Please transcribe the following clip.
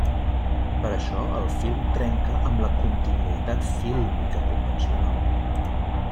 Per això el film trenca amb la continuïtat fílmica convencional.